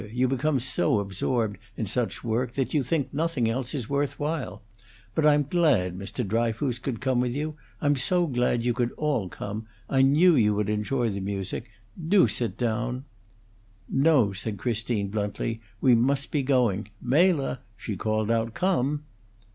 You become so absorbed in such work that you think nothing else is worth while. But I'm glad Mr. Dryfoos could come with you; I'm so glad you could all come; I knew you would enjoy the music. Do sit down " "No," said Christine, bluntly; "we must be going. Mela!" she called out, "come!"